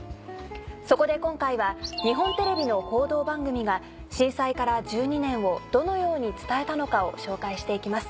そこで今回は日本テレビの報道番組が震災から１２年をどのように伝えたのかを紹介していきます。